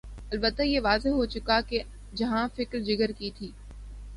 البتہ یہ واضح ہو چکا کہ جہاں فکر جگر کی تھی۔